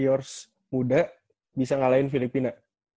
indonesian warriors muda bisa ngalahin filipina